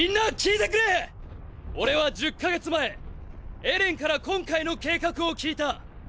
俺は１０か月前エレンから今回の計画を聞いた！！